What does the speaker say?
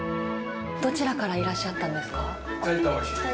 どちらからいらっしゃったん埼玉。